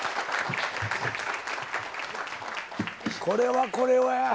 これはこれは。